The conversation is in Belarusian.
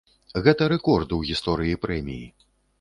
Гэта рэкорд у гісторыі прэміі.